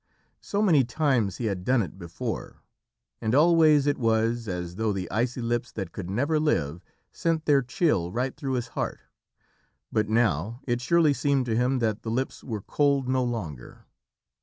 So many times he had done it before, and always it was as though the icy lips that could never live sent their chill right through his heart, but now it surely seemed to him that the lips were cold no longer.